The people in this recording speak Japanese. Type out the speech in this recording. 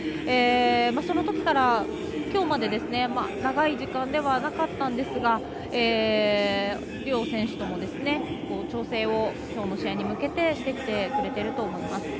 そのときから今日まで長い時間ではなかったんですが両選手とも調整を今日の試合に向けてしてきていると思います。